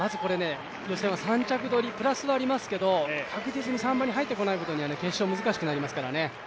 予選は３着取りプラスはありますけど確実に３番に入ってこないことには決勝は難しくなってきますからね。